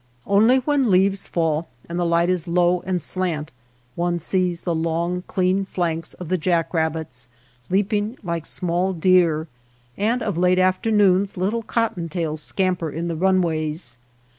Only when leaves fall and the light is low and slant, one sees the long clean flanks of the jackrabbits, leaping like small deer, and of late after noons little cotton tails scamper in the runways.